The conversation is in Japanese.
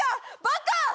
バカ！